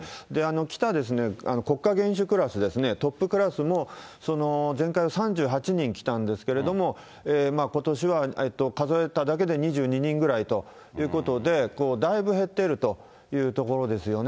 来た国家元首クラスですね、トップクラスも前回は３８人来たんですけれども、ことしは数えただけで２２人ぐらいということで、だいぶ減っているというところですよね。